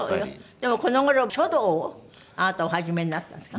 でもこの頃書道をあなたお始めになったんですか？